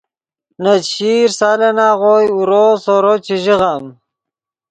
نے چشیر سالن آغوئے اورو سورو چے ژیغم